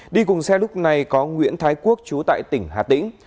đi cùng xe lúc này có nguyễn thái quốc chú tại tỉnh hà tĩnh